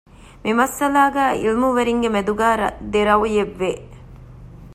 މި މައްސަލާގައި ޢިލްމުވެރިންގެ މެދުގައި ދެ ރައުޔެއްވެ